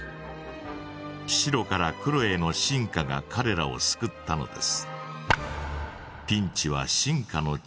白から黒への進化がかれらを救ったのです。